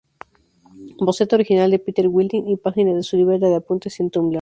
Boceto original de Peter Wilding y páginas de su libreta de apuntes en Tumblr.